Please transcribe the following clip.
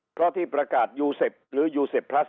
เพราะที่ประกาศยูเซฟหรือยูเซฟพลัส